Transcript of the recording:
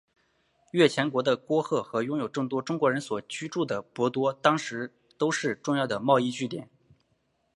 越前国的敦贺和拥有众多中国人所居住的博多都是当时重要的贸易据点。